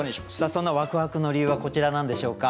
そのワクワクの理由はこちらなんでしょうか？